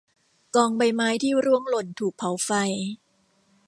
กองใบไม้ที่ร่วงหล่นถูกเผาไฟ